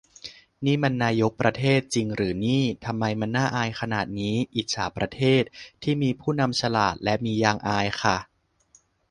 นี่มันนายก ประเทศ จริงหรือนี่ ทำไมมันน่าอายขนาดนี้ อิจฉาประเทศ ที่มีผู้นำฉลาด และมียางอายค่ะ